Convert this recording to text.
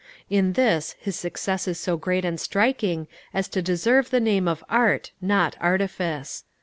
In this his success is so great and striking as to deserve the name of art, not artifice.